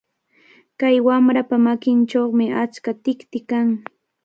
Kay wamrapa makinchawmi achka tikti kan.